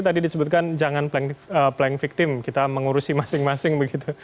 tadi disebutkan jangan plank victim kita mengurusi masing masing begitu